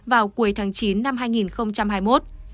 vào cuối tháng chín năm hai nghìn hai mươi một